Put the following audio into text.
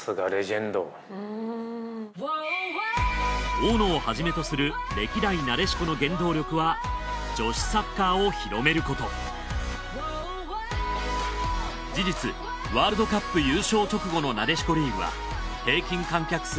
大野をはじめとする歴代なでしこの原動力は女子サッカーを広めること事実ワールドカップ優勝直後のなでしこリーグは平均観客数